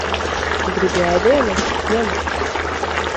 Gribi ēdienu? Ņem.